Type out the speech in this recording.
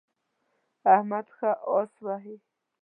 احمد ښه اس وهي.